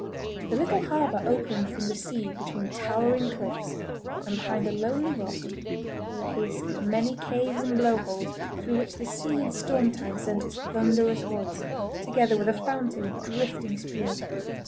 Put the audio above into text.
The little harbour opened from the sea between towering cliffs, and behind a lonely rock, pierced with many caves and blow holes through which the sea in storm time sent its thunderous voice, together with a fountain of drifting spume.